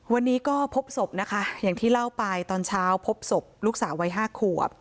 วันนี้ก็พบศพนะคะอย่างที่เล่าไปตอนเช้าพบศพลูกสาววัย๕ขวบ